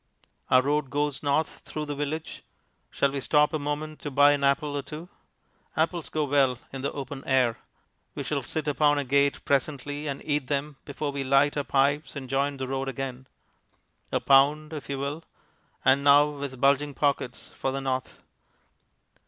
Our road goes north through the village shall we stop a moment to buy an apple or two? Apples go well in the open air; we shall sit upon a gate presently and eat them before we light our pipes and join the road again. A pound, if you will and now with bulging pockets for the north.